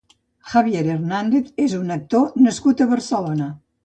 Javier Hernández és un actor nascut a Barcelona.